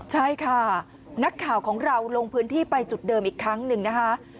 ใช่ค่ะนักข่าวของเราลงพื้นที่ไปจุดเดิมอีกครั้งหนึ่งนะคะ